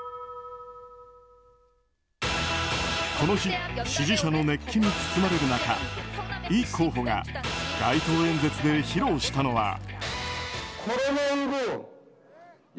この日支持者の熱気に包まれる中イ候補が街頭演説で披露したのは。